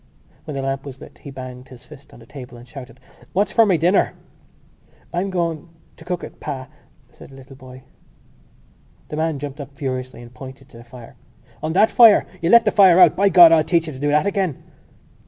_ When the lamp was lit he banged his fist on the table and shouted: "What's for my dinner?" "I'm going ... to cook it, pa," said the little boy. The man jumped up furiously and pointed to the fire. "On that fire! You let the fire out! By God, I'll teach you to do that again!"